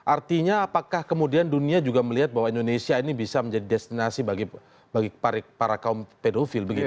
artinya apakah kemudian dunia juga melihat bahwa indonesia ini bisa menjadi destinasi bagi para kaum pedofil